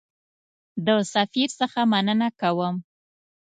د سفیر څخه مننه کوم.